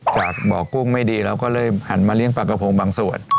จากบ่อกุ้งไม่ดีเราก็เลยหันมาเลี้ยงปลากระโพงบางส่วน